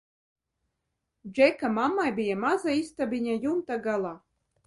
Džeka mammai bija maza istabiņa jumta galā.